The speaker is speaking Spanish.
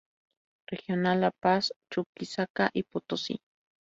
Regional La Paz, Chuquisaca y Potosí.